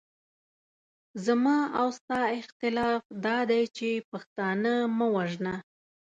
زما او ستا اختلاف دادی چې پښتانه مه وژنه.